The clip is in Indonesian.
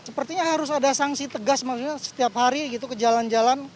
sepertinya harus ada sanksi tegas maksudnya setiap hari gitu ke jalan jalan